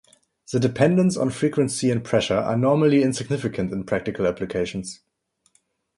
The dependence on frequency and pressure are normally insignificant in practical applications.